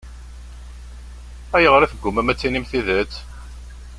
Ayɣer i teggummam ad d-tinim tidet?